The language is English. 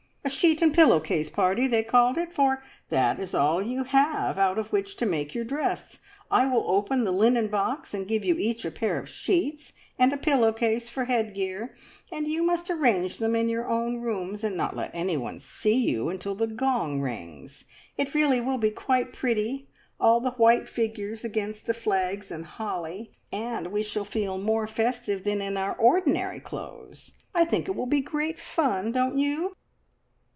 `A sheet and pillow case party,' they called it, for that is all you have out of which to make your dress. I will open the linen box and give you each a pair of sheets, and a pillow case for head gear, and you must arrange them in your own rooms, and not let anyone see you until the gong rings. It really will be quite pretty all the white figures against the flags and holly, and we shall feel more festive than in our ordinary clothes. I think it will be great fun, don't you?"